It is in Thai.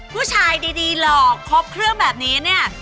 ผู้ชายดีหลอกครบเครื่องแบบนี้เนี่ย